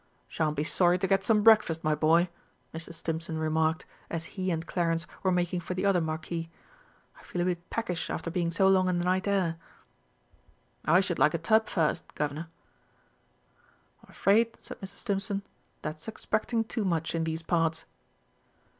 "Shan't be sorry to get some breakfast, my boy," Mr. Stimpson remarked, as he and Clarence were making for the other marquee; "I feel a bit peckish after being so long in the night air." "I should like a tub first, Guv'nor." "I'm afraid," said Mr. Stimpson, "that's expecting too much in these parts."